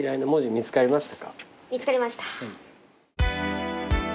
見つかりました。